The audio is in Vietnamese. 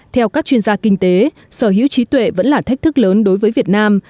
theo các chuyên gia kinh tế sở hữu trí tuệ vẫn là thách thức lớn đối với việt nam